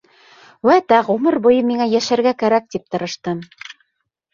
Вәт ә, ғүмер буйы миңә йәшәргә кәрәк тип тырыштым.